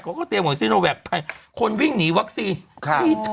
เขาก็เตรียมวัคซีนโนแวคไปคนวิ่งหนีวัคซีนใช้เถอะมันเสียดาย